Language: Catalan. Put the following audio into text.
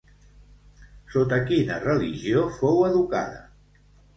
Sota quina religió fou educada?